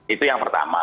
itu yang pertama